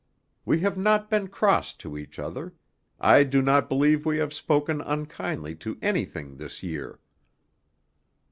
We have not been cross to each other; I do not believe we have spoken unkindly to anything this year."